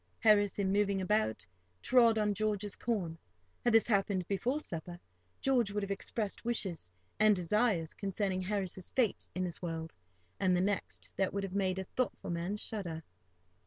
Harris, in moving about, trod on George's corn. Had this happened before supper, George would have expressed wishes and desires concerning Harris's fate in this world and the next that would have made a thoughtful man shudder.